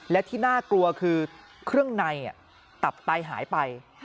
และที่น่ากลัวคือเครื่องในตับไตหายไป